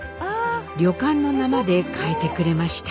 旅館の名まで変えてくれました。